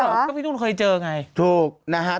ท๊อปฟี่นุษย์เคยเจอไงถูกนะฮะ